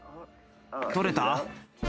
取れた？